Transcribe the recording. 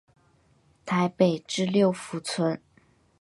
台北至六福村。